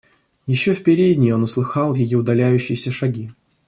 Еще в передней он услыхал ее удаляющиеся шаги.